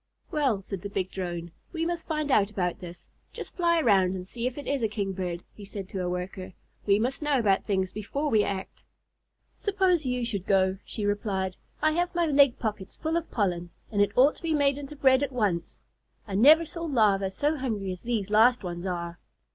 "Well," said the big Drone, "we must find out about this. Just fly around and see if it is a Kingbird," he said to a Worker. "We must know about things before we act." "Suppose you should go," she replied. "I have my leg pockets full of pollen, and it ought to be made into bread at once. I never saw Larvæ so hungry as these last ones are."